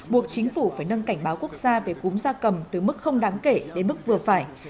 buộc chính phủ phải nâng cảnh báo quốc gia về cúm da cầm từ mức không đáng kể đến mức vừa phải